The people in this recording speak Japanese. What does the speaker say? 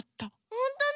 ほんとだ！